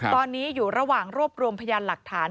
ตอนนี้อยู่ระหว่างรวบรวมพยานหลักฐาน